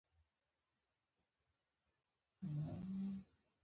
دا فکري ازموینه یوه خبره په ښه توګه ښيي.